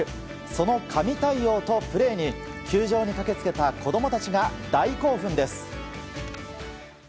その神対応とプレーに球場に駆け付けた子供たちが大興奮です。